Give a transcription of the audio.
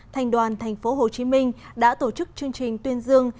thành đoàn thành phố hồ chí minh đã tổ chức chương trình tuyên dương